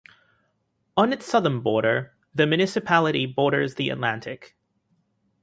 On its southern border, the municipality borders the Atlantic.